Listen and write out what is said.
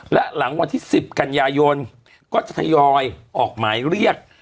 และหลังวันที่๑๐กันยายนก็จะทยอยออกหมายเรียก